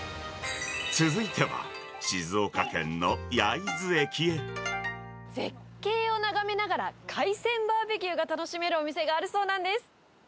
続いては、絶景を眺めながら、海鮮バーベキューが楽しめるお店があるそうなんです。